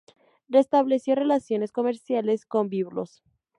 Restableció relaciones comerciales con Biblos.